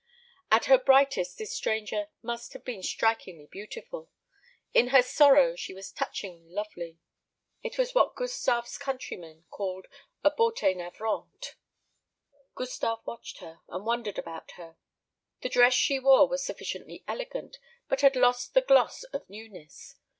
At her brightest this stranger must have been strikingly beautiful; in her sorrow she was touchingly lovely. It was what Gustave's countrymen call a beauté navrante. Gustave watched her, and wondered about her. The dress she wore was sufficiently elegant, but had lost the gloss of newness.